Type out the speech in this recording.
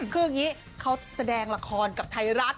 คืออย่างนี้เขาแสดงละครกับไทยรัฐ